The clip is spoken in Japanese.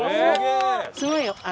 すごいよ。